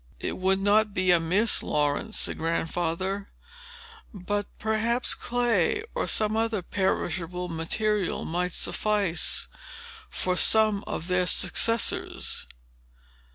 "It would not be amiss, Laurence," said Grandfather; "but perhaps clay, or some other perishable material, might suffice for some of their successors.